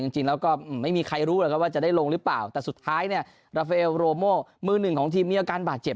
จริงแล้วก็ไม่มีใครรู้ว่าจะได้ลงรึปล่าวจะสุดท้ายเนี่ยและเฟอร์โมมง์มือหนึ่งของทีมมีอาการบาดเจ็บ